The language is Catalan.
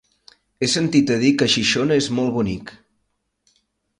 He sentit a dir que Xixona és molt bonic.